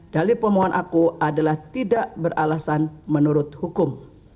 dari permohonanku adalah tidak beralasan menurut hukum